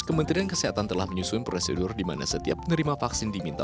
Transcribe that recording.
kementerian kesehatan telah menyusun prosedur di mana setiap penerima vaksin diminta